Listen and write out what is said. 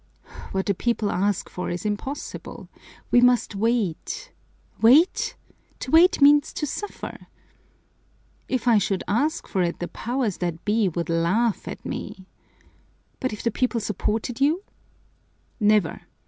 "What the people ask for is impossible. We must wait." "Wait! To wait means to suffer!" "If I should ask for it, the powers that be would laugh at me." "But if the people supported you?" "Never!